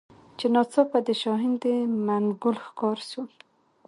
چي ناڅاپه د شاهین د منګول ښکار سو